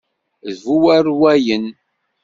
D bu warwayen.